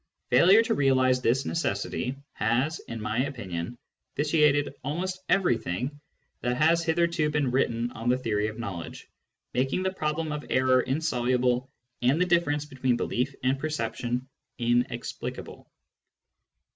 Failure to realise this necessity has, in my opinion, vitiated almost everything that has hitherto been written on the theory of knowledge, making the problem of error insoluble and the difference between belief and perception inexplicable.